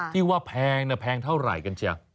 ที่ว่าแพงแพงเท่าไหร่กันเชียว